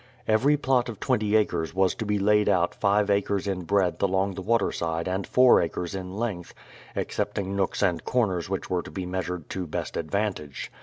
Every plot of twenty acres was to be laid out five acres in breadth along tl;e water side and four acres in length, excepting nooks and corners which were to be measured to best advantage.